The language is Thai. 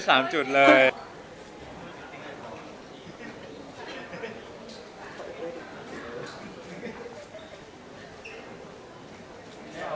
ขอบคุณค่ะ